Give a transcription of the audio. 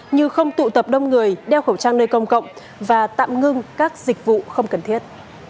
như không tụ tập đông người đeo khẩu trang nơi công cộng và tạm ngưng các dịch vụ không cần thiết